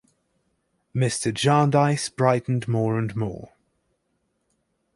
Mr. Jarndyce brightened more and more.